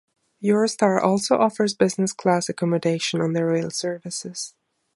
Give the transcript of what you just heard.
Eurostar also offers business class accommodation on their rail services.